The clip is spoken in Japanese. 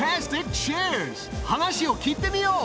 話を聞いてみよう。